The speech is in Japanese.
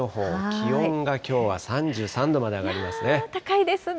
気温がきょうは３３度まで上がり高いですね。